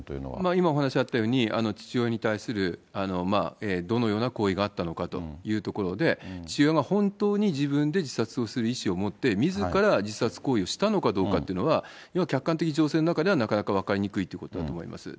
今お話あったように、父親に対するどのような行為があったのかというところで、父親が本当に自分で自殺をする意思を持って、みずから自殺行為をしたのかどうかというのは、客観的情勢の中では、なかなか分かりにくいということだと思います。